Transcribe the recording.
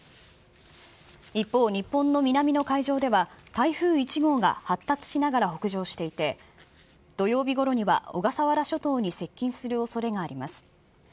一方、日本の南の海上では、台風１号が発達しながら北上していて、土曜日ごろには小笠原諸島に接近するおそれがあります。